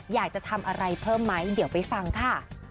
อยากจะทำอะไรเพิ่มไหมเดี๋ยวไปฟังค่ะ